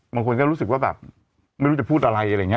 บางคนก็รู้สึกว่าแบบไม่รู้จะพูดอะไรอะไรอย่างนี้